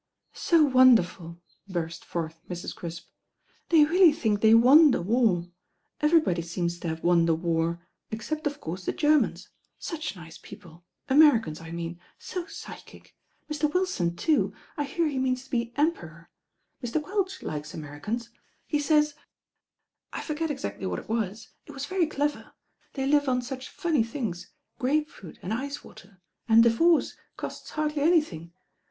"So wonderful," burst forth Mrs. Crisp, "they really think they won the war. Everybody seems to have won the war, except of course the Germans. Such nice people. Americans I mean. So psychic. Mr. Wilson, too, I hear he means to be Emperor. Mr. Quelch likes Americans. He says, I forget exactly what it was. It was very clever. They live on such funny things, grape fruit and ice water, and divorce costs hardly anything.